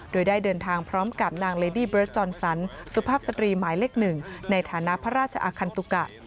โดยได้เดินทางพร้อมกับนางเลดี้เบิร์ดจอนสันสุภาพสตรีหมายเลข๑ในฐานะพระราชอาคันตุกะ